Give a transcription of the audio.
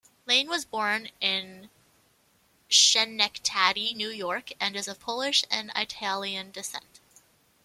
Lane was born in Schenectady, New York, and is of Polish and Italian descent.